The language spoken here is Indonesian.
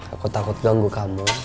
aku takut ganggu kamu